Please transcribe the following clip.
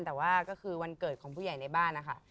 แต่ว่าก็คือวันเกิดของผู้ใหญ่ในบ้านนะคะ